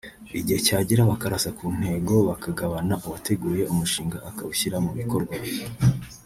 igihe cyagera bakarasa ku ntego bakagabana uwateguye umushinga akawushyira mu bikorwa